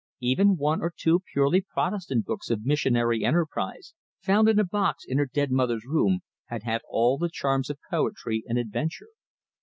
Even one or two purely Protestant books of missionary enterprise, found in a box in her dead mother's room, had had all the charms of poetry and adventure.